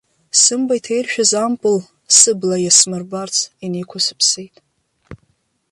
Сымба иҭаиршәыз ампыл сыбла иасмырбарц инеиқәысыԥсеит.